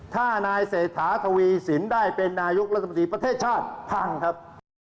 ถ้านายเศรษฐาทวีสินได้เป็นนายกรัฐมนตรีประเทศชาติพังครับ